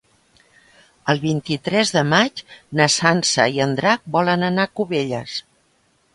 El vint-i-tres de maig na Sança i en Drac volen anar a Cubelles.